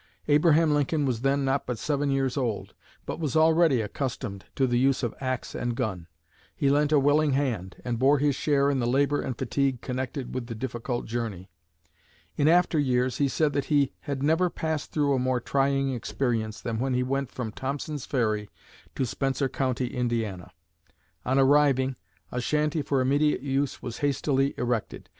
Abraham Lincoln was then but seven years old, but was already accustomed to the use of axe and gun. He lent a willing hand, and bore his share in the labor and fatigue connected with the difficult journey. In after years he said that he had never passed through a more trying experience than when he went from Thompson's Ferry to Spencer County, Indiana. On arriving, a shanty for immediate use was hastily erected.